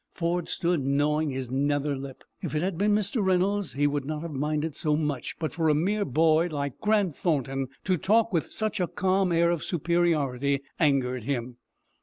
Ford stood gnawing his nether lip. If it had been Mr. Reynolds, he would not have minded so much; but for a mere boy, like Grant Thornton, to talk with such a calm air of superiority angered him.